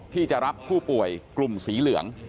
ที่จะรับผู้ป่วยกลุ่มสีเหลือง